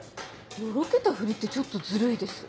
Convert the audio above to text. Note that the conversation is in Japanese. よろけたフリってちょっとズルいです。